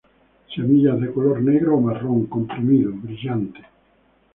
Semillas de color negro o marrón, comprimido, brillante.